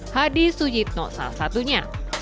hadi sujitno salah satunya